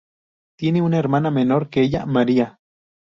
Tiene una hermana menor que ella, María.